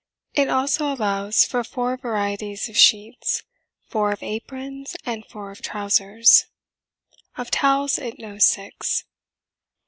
It also allows for four varieties of sheets, four of aprons and four of trousers. Of towels it knows six.